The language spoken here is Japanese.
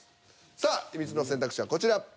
さあ３つの選択肢はこちら！